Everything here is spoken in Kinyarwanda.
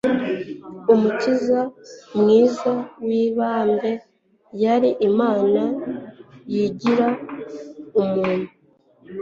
Umukiza mwiza wibambe yarlmana yigir umuntu